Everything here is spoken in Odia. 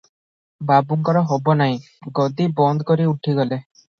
ବାବୁଙ୍କର ହୋବ ନାହିଁ, ଗଦି ବନ୍ଦ କରି ଉଠିଗଲେ ।